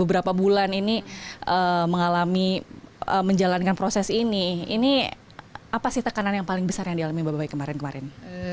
beberapa bulan ini mengalami menjalankan proses ini ini apa sih tekanan yang paling besar yang dialami mbak baik kemarin kemarin